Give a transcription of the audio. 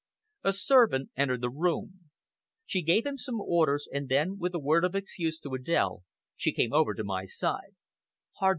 A servant entered the room. She gave him some orders, and then, with a word of excuse to Adèle, she came over to my side.